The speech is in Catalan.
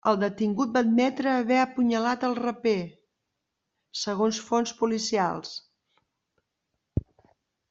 El detingut va admetre haver apunyalat al raper, segons fonts policials.